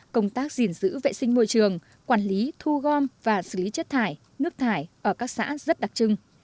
công tác gìn giữ vệ sinh môi trường quản lý thu gom và xử lý chất thải nước thải ở các xã rất đặc trưng